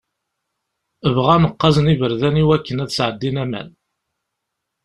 Bɣan qqazen iberdan i wakken ad sɛeddin aman.